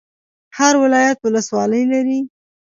هر ولایت ولسوالۍ لري